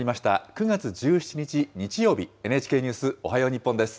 ９月１７日日曜日、ＮＨＫニュースおはよう日本です。